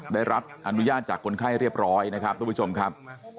ได้รับอนุญาตจากคนไข้เรียบร้อยนะครับทุกผู้ชมครับ